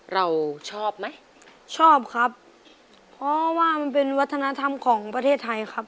เราชอบไหมชอบครับเพราะว่ามันเป็นวัฒนธรรมของประเทศไทยครับ